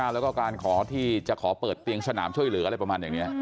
แล้วก็การขอที่จะขอเปิดเตียงสนามช่วยเหลืออะไรประมาณอย่างนี้